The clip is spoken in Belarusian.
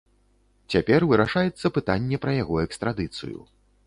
Цяпер вырашаецца пытанне пра яго экстрадыцыю.